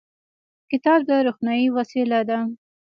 کتاب د روښنايي وسیله ده.